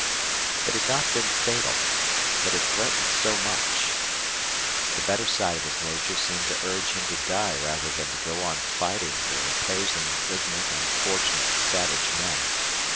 It had not been fatal, but it threatened so much. The better side of his nature seemed to urge him to die rather than to go on fighting or opposing ignorant, unfortunate, savage men.